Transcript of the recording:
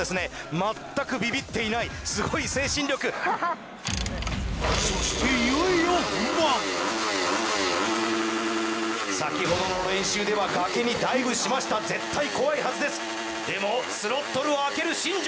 全くビビっていないすごい精神力そしていよいよ先ほどの練習では崖にダイブしました絶対怖いはずですでもスロットルを開ける新庄